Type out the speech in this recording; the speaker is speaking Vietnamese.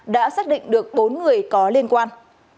đã xác định được bốn người có liên quan